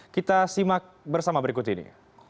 kita simak bersama berikut ini